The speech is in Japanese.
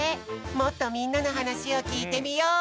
もっとみんなのはなしをきいてみよう！